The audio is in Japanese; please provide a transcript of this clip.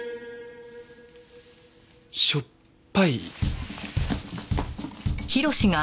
しょっぱい。